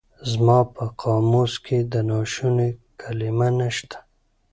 زما په قاموس کې د ناشوني کلمه نشته.